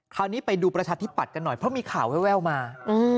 คราวนี้ไปดูประชาธิปัตย์กันหน่อยเพราะมีข่าวแววมา